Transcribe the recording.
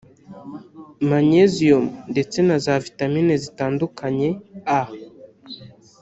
manyeziyumu ndetse na za vitamine zitandukanye A